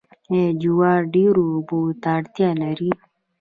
آیا جوار ډیرو اوبو ته اړتیا لري؟